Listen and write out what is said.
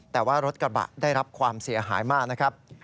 แต่ว่ารถกระบะได้รับความเสียหายมากนะครับ